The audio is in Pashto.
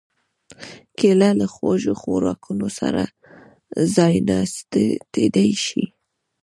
کېله له خوږو خوراکونو سره ځایناستېدای شي.